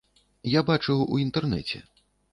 Я бачыў у інтэрнэце.